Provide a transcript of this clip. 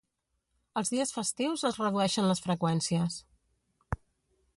Els dies festius es redueixen les freqüències.